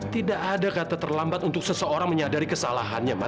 tidak ada kata terlambat untuk seseorang menyadari kesalahannya mbak